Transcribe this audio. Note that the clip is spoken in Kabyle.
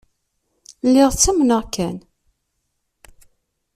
Lliɣ ttamneɣ kan.